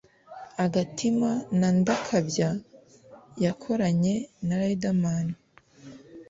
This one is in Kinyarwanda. ’Agatima’ na ’Ndakabya’ yakoranye na Riderman